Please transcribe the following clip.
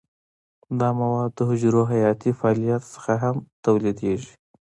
دا مواد د حجرو حیاتي فعالیت څخه هم تولیدیږي.